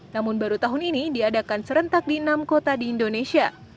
namun baru tahun ini diadakan serentak di enam kota di indonesia